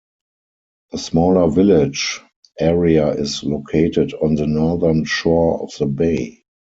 A smaller village, 'Area, is located on the northern shore of the bay.